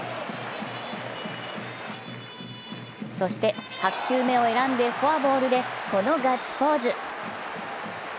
そして８球目を選んでフォアボールでこのガッツポーズ。